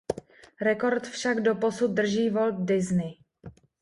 Rekord však doposud drží Walt Disney.